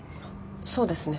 そうですね。